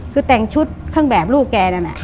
คือแต่งชุดเครื่องแบบลูกแกนั่นน่ะ